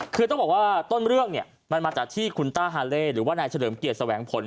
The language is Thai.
คือต้องบอกว่าต้นเรื่องเนี่ยมันมาจากที่คุณต้าฮาเล่หรือว่านายเฉลิมเกียรติแสวงผล